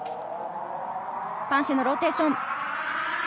パンシェのローテーション。